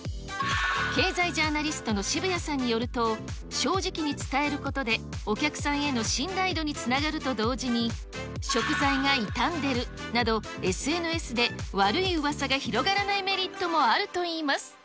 経済ジャーナリストの渋谷さんによると、正直に伝えることで、お客さんへの信頼度につながると同時に、食材が傷んでいるなど、ＳＮＳで悪いうわさが広がらないメリットもあるといいます。